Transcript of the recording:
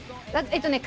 えっとね